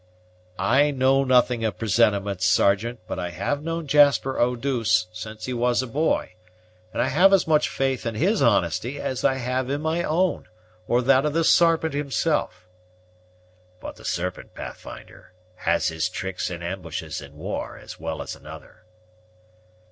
"I know nothing of presentiments, Sergeant; but I have known Jasper Eau douce since he was a boy, and I have as much faith in his honesty as I have in my own, or that of the Sarpent himself." "But the Serpent, Pathfinder, has his tricks and ambushes in war as well as another."